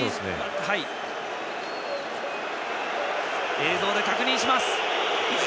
映像で確認します。